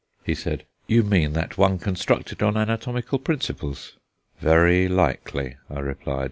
He said: "You mean that one constructed on anatomical principles." "Very likely," I replied.